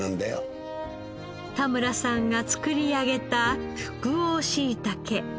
田村さんが作り上げた福王しいたけ。